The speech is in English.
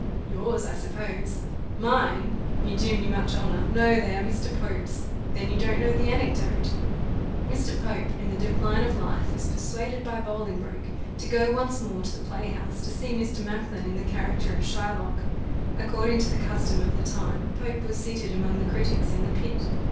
"Yours, I suppose." "Mine! you do me much honour: no, they are Mr. Pope's. Then you don't know the anecdote? "Mr. Pope, in the decline of life, was persuaded by Bolingbroke to go once more to the play house, to see Mr. Macklin in the character of Shylock. According to the custom of the time, Pope was seated among the critics in the pit.